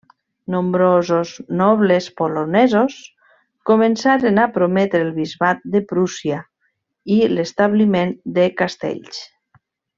Nombrosos nobles polonesos començaren a prometre el bisbat de Prússia i l'establiment de castells.